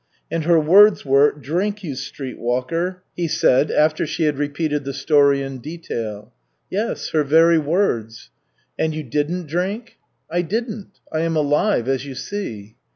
"And her words were, 'Drink, you street walker,'" he said, after she had repeated the story in detail. "Yes, her very words." "And you didn't drink?" "I didn't. I am alive, as you see."